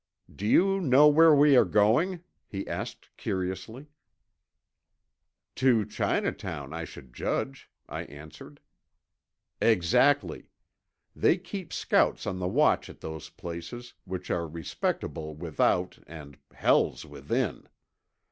"Do you know where we are going?" he asked curiously. "To Chinatown, I should judge," I answered. "Exactly. They keep scouts on the watch at those places, which are respectable without and hells within.